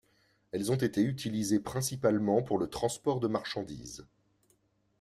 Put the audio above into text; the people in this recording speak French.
Elles ont été utilisées principalement pour le transport de marchandises.